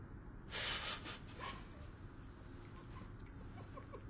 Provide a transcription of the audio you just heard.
フフフフッ。